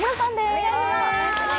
お願いします